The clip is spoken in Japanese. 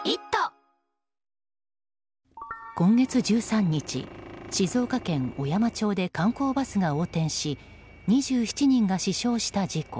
今月１３日、静岡県小山町で観光バスが横転し２７人が死傷した事故。